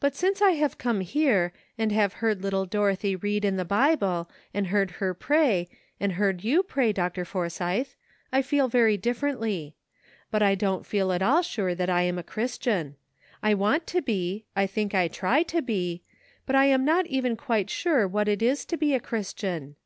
But since I have come here, and have heard little Dorothy read in the Bible, and heard her pray, and heard you pray, Dr. Forsythe, I feel very differently. But I don't feel at all sure that I am a Christian. I want to be, I think I try to be ; but I am not even quite sure what it is to be a Christian."